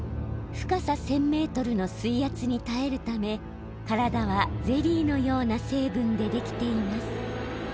深さ１，０００メートルの水圧にたえるためからだはゼリーのような成分でできています。